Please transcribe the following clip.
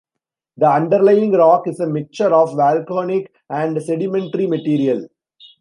The underlying rock is a mixture of volcanic and sedimentary material.